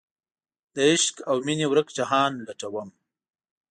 دعشق اومینې ورک جهان لټوم